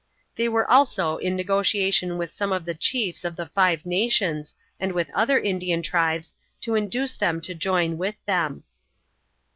They were also in negotiation with some of the chiefs of the Five Nations and with other Indian tribes to induce them to join with them.